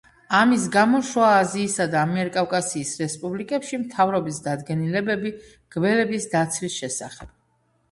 ამის გამო შუა აზიისა და ამიერკავკასიის რესპუბლიკებში მთავრობის დადგენილებები გველების დაცვის შესახებ.